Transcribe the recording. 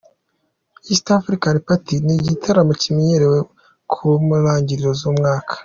East African Party ni igitaramo kimenyerewe kuba mu ntangiriro z’umwaka.